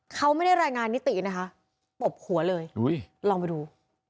เขาไม่ได้รายงานนิตินะคะตบหัวเลยลองไปดู